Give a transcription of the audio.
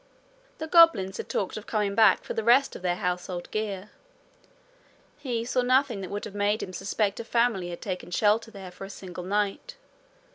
The goblins had talked of coming back for the rest of their household gear: he saw nothing that would have made him suspect a family had taken shelter there for a single night.